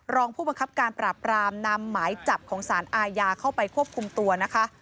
รองผู้บังคับการปราบรามนำหมายจับของสารอาญาเข้าไปควบคุมตัวนะคะ